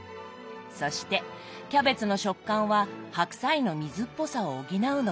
そしてキャベツの食感は白菜の水っぽさを補うのです。